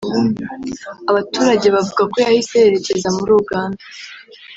abaturage bavuga ko yahise yerekeza muri Uganda